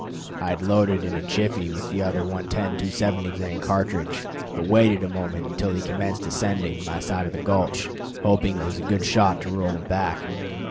I had loaded in a jiffy with the other 110 270 grain cartridge, but waited a moment until he commenced ascending my side of the gulch, hoping with a good shot to roll him back.